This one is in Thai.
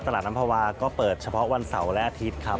น้ำภาวะก็เปิดเฉพาะวันเสาร์และอาทิตย์ครับ